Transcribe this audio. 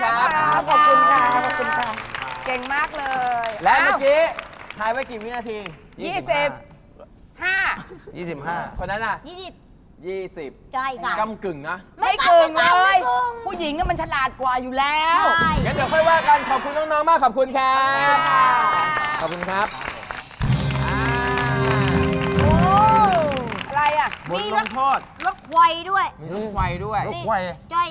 อะไรอ่ะบนโทษมีรกไหวด้วย